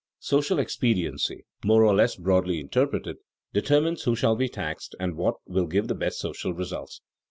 Social expediency, more or less broadly interpreted, determines who shall be taxed and what will give the best social results.